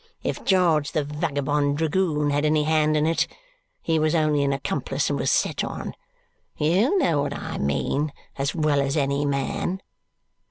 If George the vagabond dragoon had any hand in it, he was only an accomplice, and was set on. You know what I mean as well as any man."